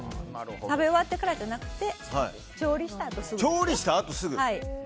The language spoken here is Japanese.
食べ終わってからじゃなくて調理したあと、すぐ。